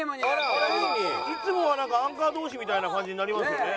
いつもはなんかアンカー同士みたいな感じになりますよね。